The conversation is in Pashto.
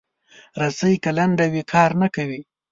رسۍ که لنډه وي، کار نه کوي.